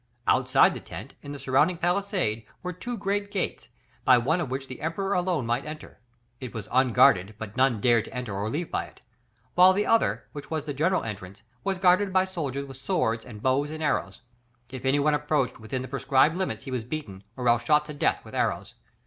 Outside the tent, in the surrounding palisade were two great gates, by one of which the Emperor alone might enter; it was unguarded, but none dared to enter or leave by it; while the other, which was the general entrance, was guarded by soldiers with swords, and bows and arrows; if any one approached within the prescribed limits he was beaten, or else shot to death with arrows.